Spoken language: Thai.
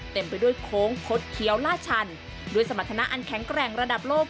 เต็มไปด้วยโค้งคดเคี้ยวลาดชันด้วยสมรรถนะอันแข็งแกร่งระดับโลก